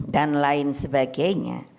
dan lain sebagainya